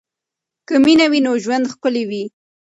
که مینه وي نو ژوند ښکلی وي.